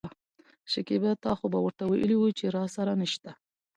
شکيبا : تا خو به ورته وويلي وو چې راسره نشته.